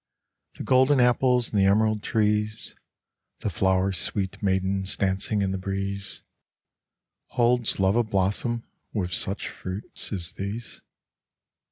The golden apples and the emerald trees, The flower sweet maidens, dancing in the breeze Holds Love a blossom with such fruits as these?